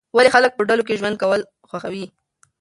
ولې خلک په ډلو کې ژوند کول خوښوي؟